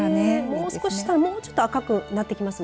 もう少ししたら、もうちょっと赤くなってきます